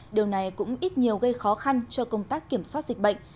điều này cũng ít nhiều gây khó khăn cho công tác kiểm soát dịch bệnh